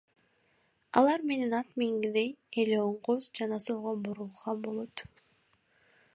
Алар менен ат мингендегидей эле оңго жана солго бурууга болот.